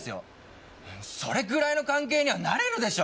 それぐらいの関係にはなれるでしょ！